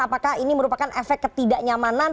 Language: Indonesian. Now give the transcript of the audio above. apakah ini merupakan efek ketidaknyamanan